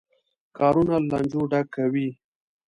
کارونه له لانجو ډکوي.